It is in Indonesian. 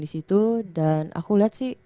di situ dan aku lihat sih